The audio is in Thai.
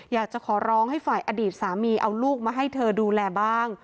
อยากจะขอร้องให้ฝ่ายอดีตสามีเอาลูกมาให้เธอดูแลบ้าง